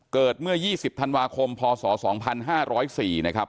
เกิดเมื่อ๒๐ธันวาคมพศ๒๕๐๔นะครับ